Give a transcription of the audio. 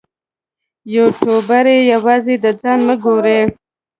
یوټوبر یوازې د ځان مه ګوري.